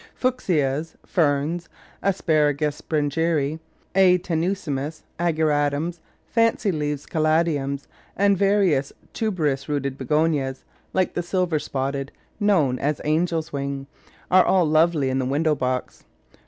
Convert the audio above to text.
Fuchsias, Ferns, Asparagus Sprengeri, A. ten uissimus, Ageratums, fancy leaved Caladiums, and various tuberous rooted Begonias, like the silver spot ted, known as Angel's Wing, are all lovely in the window box.